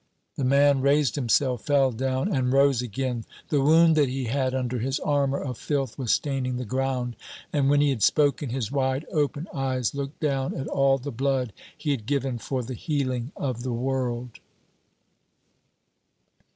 The man raised himself, fell down, and rose again. The wound that he had under his armor of filth was staining the ground, and when he had spoken, his wide open eyes looked down at all the blood he had given for the healing of the world.